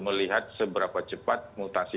melihat seberapa cepat mutasi